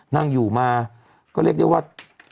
นั่งอยู่มาก็เรียกได้ว่า